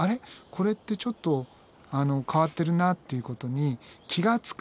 これってちょっと変わってるなっていうことに気が付く。